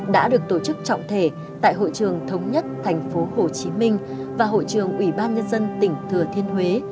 đã được tổ chức trọng thể tại hội trường thống nhất tp hcm và hội trường ủy ban nhân dân tỉnh thừa thiên huế